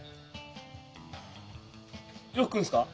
よく来るんですか？